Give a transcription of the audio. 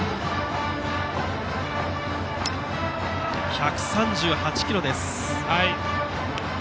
１３８キロです。